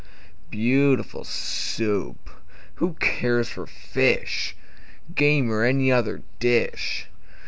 Beautiful Soup! Who cares for fish, Game, or any other dish?